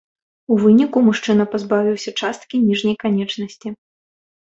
У выніку мужчына пазбавіўся часткі ніжняй канечнасці.